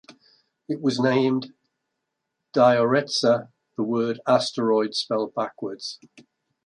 It was named "Dioretsa", the word "asteroid" spelled backwards.